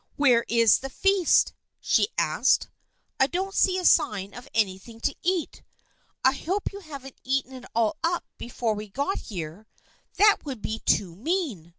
" Where is the feast? " she asked. " I don't see a sign of anything to eat. I hope you haven't eaten it all up before we got here. That would be too mean